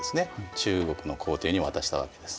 中国の皇帝に渡したわけです。